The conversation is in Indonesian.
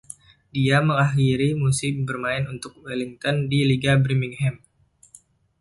Dia mengakhiri musim bermain untuk Wellington di liga Birmingham.